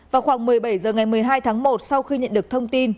vào khoảng một mươi bảy h ngày một mươi hai tháng một sau khi nhận được thông tin